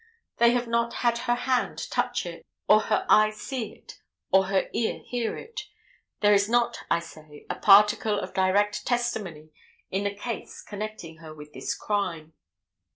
They have not had her hand touch it, or her eye see it, or her ear hear it. There is not, I say, a particle of direct testimony in the case connecting her with this crime.